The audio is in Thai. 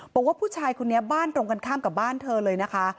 บอกว่าผู้ชายคนนี้บ้านตรงกันข้ามกับบ้านเธอเลยนะคะ